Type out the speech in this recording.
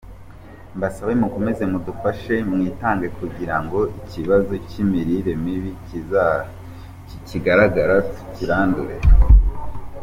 Mbasabe mukomeze mudufashe, mwitange kugira ngo ikibazo cy’imirire mibi kikigaragara tukirandure”.